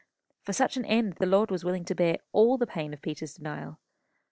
For such an end the Lord was willing to bear all the pain of Peter's denial.